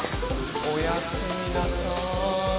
おやすみなさい。